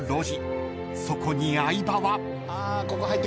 ［そこに相葉は］